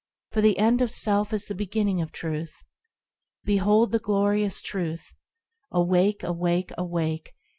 For the end of self is the beginning of Truth. Behold, the glorious Truth ! Awake ! awake ! awake